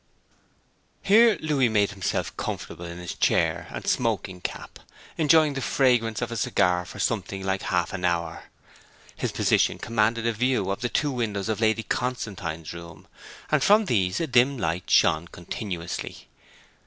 Here Louis made himself comfortable in his chair and smoking cap, enjoying the fragrance of a cigar for something like half an hour. His position commanded a view of the two windows of Lady Constantine's room, and from these a dim light shone continuously.